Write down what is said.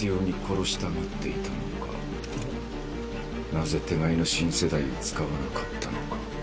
なぜ手飼いの新世代を使わなかったのか。